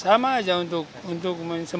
sama aja untuk untuk memperbaikinya aja